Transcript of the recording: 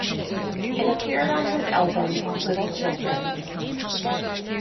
It appeared on his album, "Little Children".